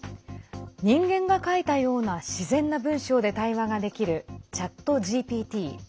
人間が書いたような自然な文章で対話ができるＣｈａｔＧＰＴ。